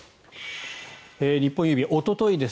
日本郵便、おとといです。